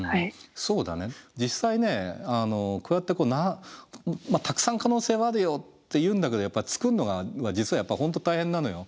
実際ねこうやってたくさん可能性はあるよって言うんだけど作んのが実はやっぱ本当大変なのよ。